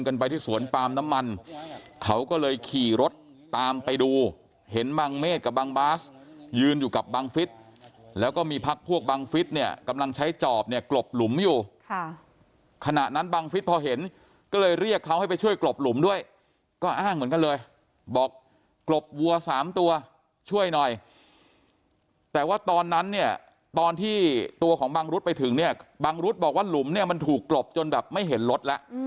ไปที่สวนปาล์มน้ำมันเขาก็เลยขี่รถตามไปดูเห็นบังเมฆกับบังบาสยืนอยู่กับบังฟิศแล้วก็มีพักพวกบังฟิศเนี่ยกำลังใช้จอบเนี่ยกลบหลุมอยู่ค่ะขณะนั้นบังฟิศพอเห็นก็เลยเรียกเขาให้ไปช่วยกลบหลุมด้วยก็อ้างเหมือนกันเลยบอกกลบวัวสามตัวช่วยหน่อยแต่ว่าตอนนั้นเนี่ยตอนที่ตัวของบังรุษไปถึงเนี่ยบังรุษบอกว่าหลุมเนี่ยมันถูกกลบจนแบบไม่เห็นรถแล้ว